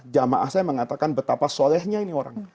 jamaah saya mengatakan betapa solehnya ini orang